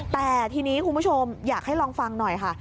แต่ทีนี้คุณผู้ชมอยากให้ลองฟังหน่อยค่ะ